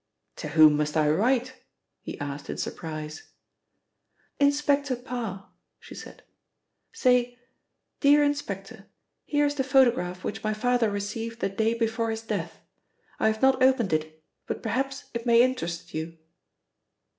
"To whom must I write?" he asked in surprise. "Inspector Parr," she said. "Say 'Dear Inspector. Here is the photograph which my father received the day before his death. I have not opened it, but perhaps it may interest you.'"